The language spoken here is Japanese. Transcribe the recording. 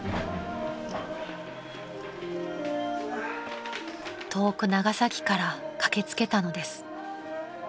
［遠く長崎から駆け付けたのです］